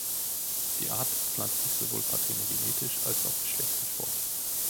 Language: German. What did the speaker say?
Die Art pflanzt sich sowohl parthenogenetisch als auch geschlechtlich fort.